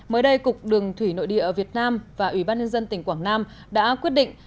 mới đây cục đường thủy nội địa việt nam và ủy ban nhân dân tỉnh quảng nam đã quyết định